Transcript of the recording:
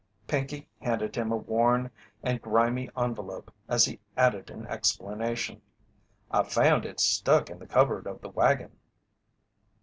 Pinkey handed him a worn and grimy envelope as he added in explanation: "I found it stuck in the cupboard of the wagon."